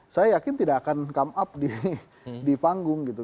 saya yakin tidak akan come up di panggung gitu